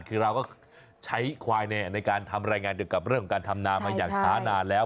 คือเราก็ใช้ควายในการทำรายงานเกี่ยวกับเรื่องของการทำนามาอย่างช้านานแล้ว